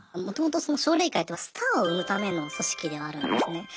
もともと奨励会とはスターを生むための組織ではあるんですね。